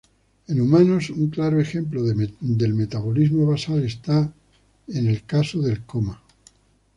En humanos, un claro ejemplo del metabolismo basal está el caso del coma.